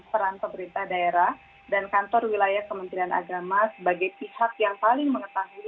peran pemerintah daerah dan kantor wilayah kementerian agama sebagai pihak yang paling mengetahui